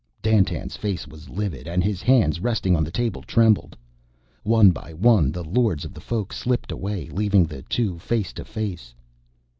Dandtan's face was livid, and his hands, resting on the table, trembled. One by one the lords of the Folk slipped away, leaving the two face to face.